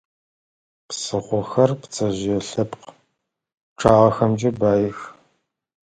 Псыхъохэр пцэжъые лъэпкъ пчъагъэхэмкӀэ баих.